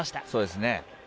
そうですね。